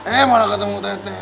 eh mana ketemu teteh